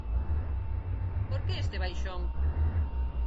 Por que este baixón?